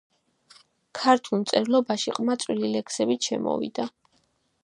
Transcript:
ქართულ მწერლობაში ყმაწვილი ლექსებით შემოვიდა.